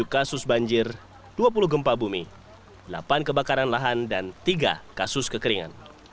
satu ratus tujuh puluh tujuh kasus banjir dua puluh gempa bumi delapan kebakaran lahan dan tiga kasus kekeringan